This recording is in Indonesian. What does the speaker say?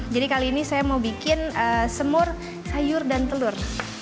jadi kali ini saya mau bikin semur sayur dan telur